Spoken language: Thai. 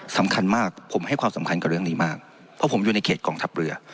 สำคัญมากผมให้ความสำคัญกับเรื่องนี้มากเพราะผมอยู่ในเขตกองทัพเรือ